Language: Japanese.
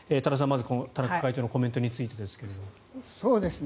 まずこの田中会長のコメントについてですが。